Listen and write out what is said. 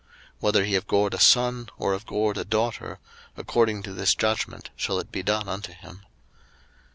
02:021:031 Whether he have gored a son, or have gored a daughter, according to this judgment shall it be done unto him.